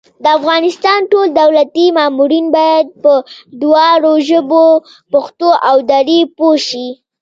د افغانستان ټول دولتي مامورین بايد په دواړو ژبو پښتو او دري پوه شي